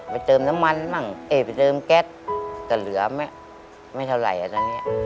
เติมน้ำมันบ้างเอ๊ไปเติมแก๊สก็เหลือไม่เท่าไหร่ตอนนี้